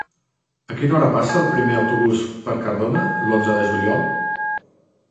A quina hora passa el primer autobús per Cardona l'onze de juliol?